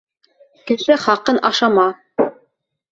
Кеше хаҡын ашама.